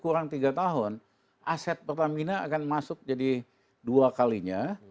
kurang tiga tahun aset pertamina akan masuk jadi dua kalinya